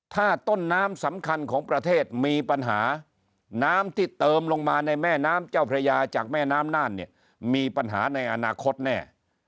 ถ้าต้นน้ำสำคัญของประเทศมีปัญหาน้ำที่เติมลงมาในแม่น้ำเจ้าพระยาจากแม่น้ำน่านเนี่ยมีปัญหาในอนาคตแน่